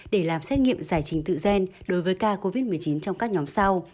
để làm xét nghiệm giải trình tự gen đối với ca covid một mươi chín trong các nhóm sau